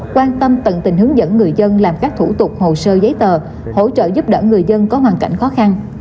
quan tâm tận tình hướng dẫn người dân làm các thủ tục hồ sơ giấy tờ hỗ trợ giúp đỡ người dân có hoàn cảnh khó khăn